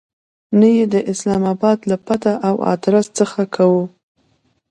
نه یې د اسلام آباد له پته او آدرس څخه کوو.